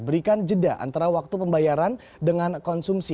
berikan jeda antara waktu pembayaran dengan konsumsi